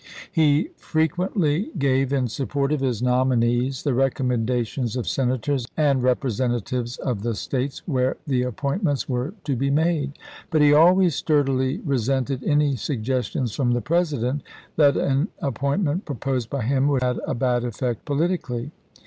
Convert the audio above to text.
He frequently gave, in support of his nominees, the recommendations of Senators and Eepresenta tives of the States where the appointments were to be made. But he always sturdily resented any suggestions from the President that an appoint ment proposed by him would have a bad effect politically.